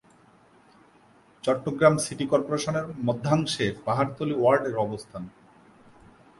Chittagong city কর্পোরেশনের মধ্যাংশে পাহাড়তলী ওয়ার্ডের অবস্থান।